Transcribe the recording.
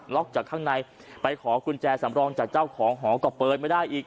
จากข้างในไปขอกุญแจสำรองจากเจ้าของหอก็เปิดไม่ได้อีก